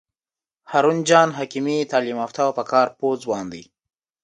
هارون جان حکیمي تعلیم یافته او په کار پوه ځوان دی.